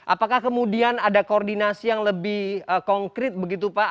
apakah kemudian ada koordinasi yang lebih konkret begitu pak